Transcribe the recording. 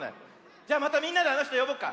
じゃまたみんなであのひとよぼうか。